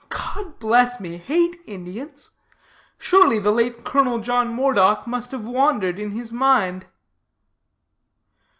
God bless me; hate Indians? Surely the late Colonel John Moredock must have wandered in his mind."